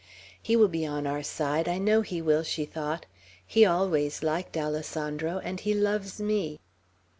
"He will be on our side, I know he will," she thought. "He always liked Alessandro, and he loves me."